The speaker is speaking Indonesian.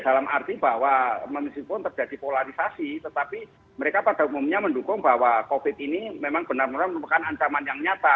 dalam arti bahwa meskipun terjadi polarisasi tetapi mereka pada umumnya mendukung bahwa covid ini memang benar benar merupakan ancaman yang nyata